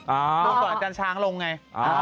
แล้วก่อนกันช้างลงไง